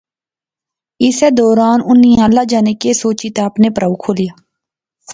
اسے دوران انی اللہ جانے کہہ سوچی تہ اپنے پرھو کولا